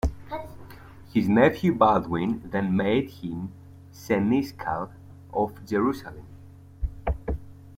His nephew Baldwin then made him seneschal of Jerusalem.